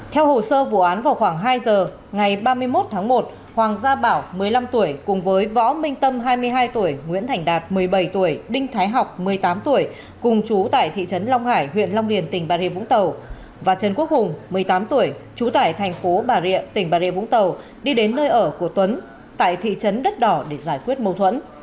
theo hồ sơ vụ án vào khoảng hai giờ ngày ba mươi một tháng một hoàng gia bảo một mươi năm tuổi cùng với võ minh tâm hai mươi hai tuổi nguyễn thành đạt một mươi bảy tuổi đinh thái học một mươi tám tuổi cùng chú tại thị trấn long hải huyện long liền tỉnh bà rịa vũng tàu và trần quốc hùng một mươi tám tuổi chú tại thành phố bà rịa tỉnh bà rịa vũng tàu đi đến nơi ở của tuấn tại thị trấn đất đỏ để giải quyết mâu thuẫn